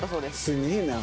すげえな！